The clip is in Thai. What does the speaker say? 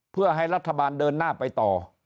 เพื่อให้รัฐบาลเดินหน้าไปต่อ